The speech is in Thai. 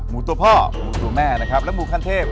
หมู่ตัวพ่อหมู่ตัวแม่และหมู่คันเทพ